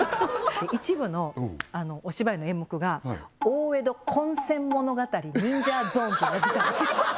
１部のお芝居の演目が「大江戸混戦物語ニンジャーゾーン」っていうのやってたんですよ